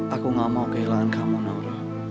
aku gak mau kehilangan kamu naura